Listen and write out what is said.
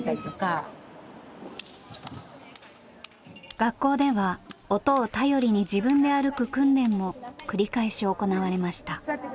学校では音を頼りに自分で歩く訓練も繰り返し行われました。